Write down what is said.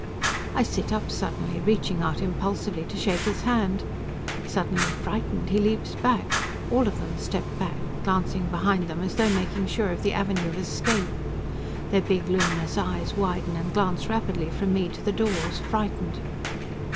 I sit up suddenly, reaching out impulsively to shake his hand. Suddenly frightened he leaps back. All of them step back, glancing behind them as though making sure of the avenue of escape. Their big luminous eyes widen and glance rapidly from me to the doors, frightened.